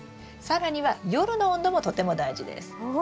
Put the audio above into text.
更には夜の温度もとても大事です。